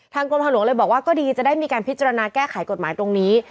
กรมทางหลวงเลยบอกว่าก็ดีจะได้มีการพิจารณาแก้ไขกฎหมายตรงนี้